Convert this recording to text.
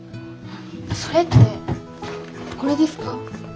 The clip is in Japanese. それってこれですか？